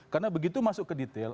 karena begitu masuk ke detail